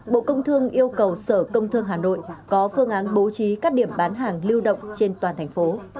bộ công thương yêu cầu sở công thương hà nội có phương án bố trí các điểm bán hàng lưu động trên toàn thành phố